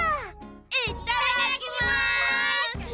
いっただっきます！